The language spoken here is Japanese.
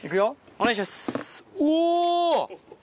お願いします。